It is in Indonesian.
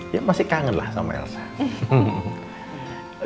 dia masih kangen lah sama elsa